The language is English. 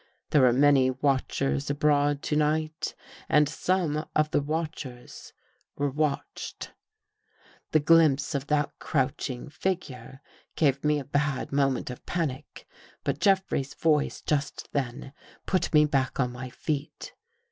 There were many watchers abroad to night, and some of the watchers were watched. The glimpse of that crouching figure gave me a bad moment of panic, but Jeffrey's voice just then put me back on my feet.